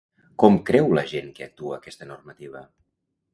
Com creu la gent que actua aquesta normativa?